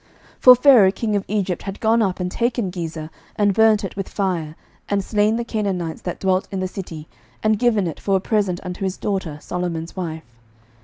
11:009:016 For Pharaoh king of Egypt had gone up, and taken Gezer, and burnt it with fire, and slain the Canaanites that dwelt in the city, and given it for a present unto his daughter, Solomon's wife.